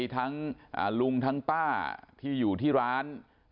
ทั้งลุงทั้งป้าที่อยู่ที่ร้าน